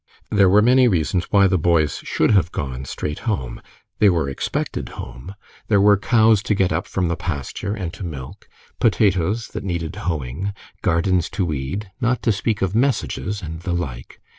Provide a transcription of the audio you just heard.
There were many reasons why the boys should have gone straight home. They were expected home. There were cows to get up from the pasture and to milk, potatoes that needed hoeing, gardens to weed, not to speak of messages and the like.